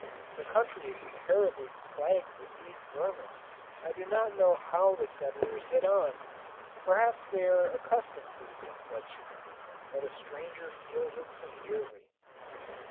The country is terribly plagued with these vermin. I do not know how the settlers get on; perhaps they are accustomed to the infliction, but a stranger feels it severely.